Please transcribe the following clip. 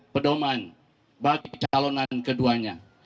pedoman bagi calonan keduanya